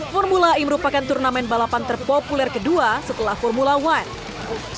formula e merupakan turnamen balapan terpopuler kedua setelah formula one